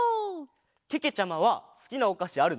けけちゃまはすきなおかしあるの？